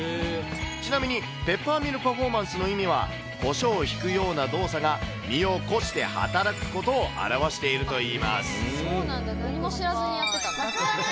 ちなみに、ペッパーミルパフォーマンスの意味は、こしょうをひくような動作が身を粉して働くことを表しているといいます。